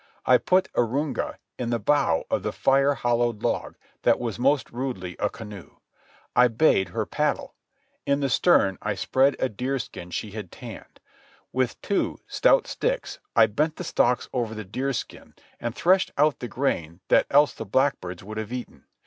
I put Arunga in the bow of the fire hollowed log that was most rudely a canoe. I bade her paddle. In the stern I spread a deerskin she had tanned. With two stout sticks I bent the stalks over the deerskin and threshed out the grain that else the blackbirds would have eaten.